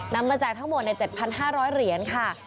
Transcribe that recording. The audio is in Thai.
นำมาแจกทั้งหมดใน๗๕๐๐เหรียญค่ะ